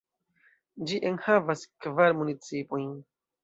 Ĝi enhavas kvar municipojn.